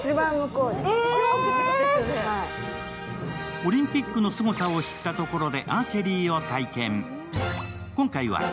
オリンピックのすごさを知ったところで、アーチェリーを体験。